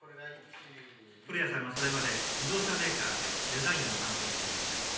古谷さんはそれまで自動車メーカーでデザインを担当していました